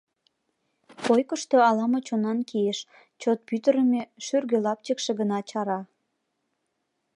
Койкышто ала-мо чонан кийыш, чот пӱтырымӧ, шӱргӧ лапчыкше гына чара.